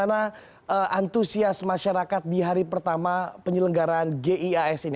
nah dan yang pertama penyelenggaran gias ini